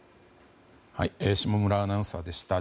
下村アナウンサーでした。